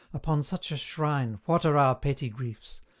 Upon such a shrine What are our petty griefs?